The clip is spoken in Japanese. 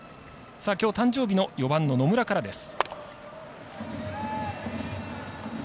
きょう、誕生日の４番の野村からです。